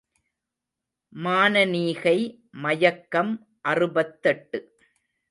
மானனீகை மயக்கம் அறுபத்தெட்டு.